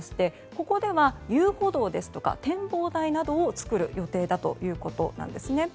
ここでは、遊歩道ですとか展望台などを作る予定ということなんです。